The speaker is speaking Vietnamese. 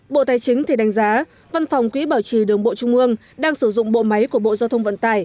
bộ tài chính thì đánh giá văn phòng quỹ bảo trì đường bộ trung ương đang sử dụng bộ máy của bộ giao thông vận tải